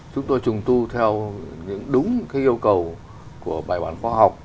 chúng tôi trùng tu theo những đúng yêu cầu của bài bản khoa học